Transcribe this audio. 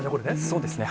そうですね。